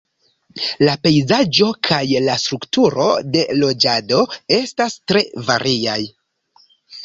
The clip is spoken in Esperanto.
La pejzaĝo kaj la strukturo de loĝado estas tre variaj.